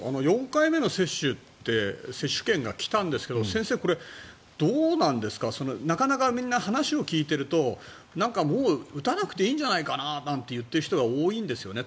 ４回目の接種って接種券が来たんですが先生、どうなんですかなかなかみんな話を聞いているともう打たなくていいんじゃないかなみたいに言っている人が多いんですよね。